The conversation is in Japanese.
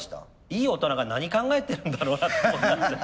いい大人が何考えてるんだろうなと思って。